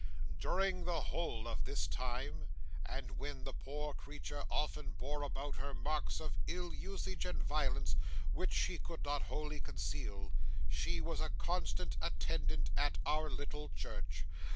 'During the whole of this time, and when the poor creature often bore about her marks of ill usage and violence which she could not wholly conceal, she was a constant attendant at our little church.